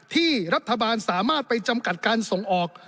ที่รัฐบาลสามารถไปจำกัดการส่งออก